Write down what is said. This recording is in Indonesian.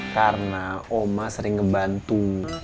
karena oma sering ngebantu